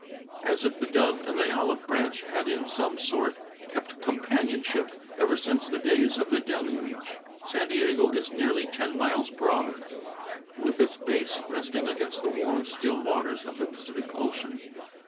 As if the dove and the olive branch had in some sort kept companionship ever since the days of the deluge. San Diego is nearly ten miles broad, with its base resting against the warm, still waters of the Pacific Ocean.